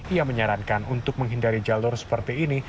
ia menyarankan untuk menghindari jalur seperti ini